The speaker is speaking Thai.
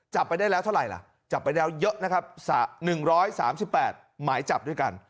จับไปได้แล้วเท่าไหร่ล่ะจับไปแล้วเยอะนะครับ๑๓๘หมายจับด้วยกัน